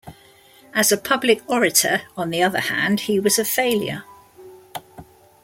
As a public orator, on the other hand, he was a failure.